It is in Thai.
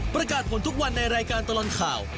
ประกาศผลทุกวันในรายการตลอดข่าว